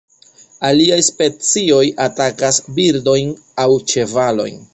Aliaj specioj atakas birdojn aŭ ĉevalojn.